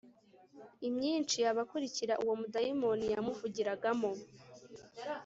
imyinshi abakurikira uwo mudayimoni yamuvugiragamo